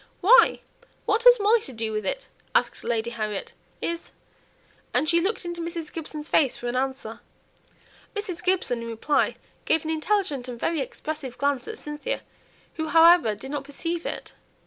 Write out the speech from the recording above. "Why, what has Molly to do with it?" asked Lady Harriet. "Is ?" and she looked into Mrs. Gibson's face for an answer. Mrs. Gibson in reply gave an intelligent and very expressive glance at Cynthia, who however did not perceive it.